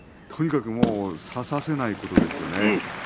とにかく差させないことですね。